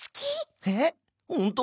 えっほんと！？